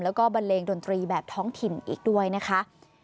แล้วก็บันเลงดนตรีแบบท้องถิ่นอีกด้วยนะคะ